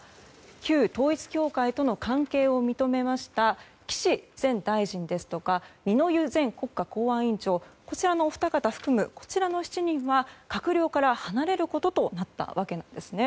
旧統一教会との関係を認めました岸前大臣ですとか二之湯前国家公安委員長こちらのお二方を含む７人は閣僚から離れることとなったわけなんです。